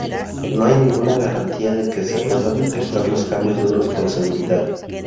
No hay ninguna garantía de que se puedan detectar los cambios duros con seguridad.